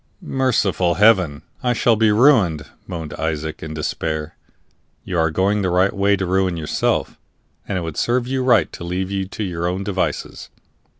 "Merciful Heaven! I shall be ruined!" moaned Isaac, in despair. "You are going the right way to ruin yourself, and it would serve you right to leave you to your own devices.